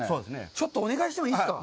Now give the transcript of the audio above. ちょっとお願いしてもいいですか？